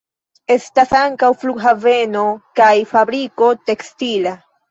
Estas ankaŭ flughaveno kaj fabriko tekstila.